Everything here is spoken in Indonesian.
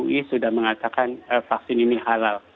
ui sudah mengatakan vaksin ini halal